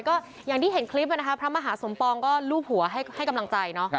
ก็อย่างที่เห็นคลิปนะคะพระมหาสมปองก็ลูบหัวให้กำลังใจเนาะ